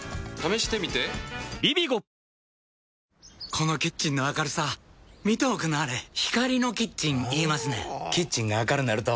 このキッチンの明るさ見ておくんなはれ光のキッチン言いますねんほぉキッチンが明るなると・・・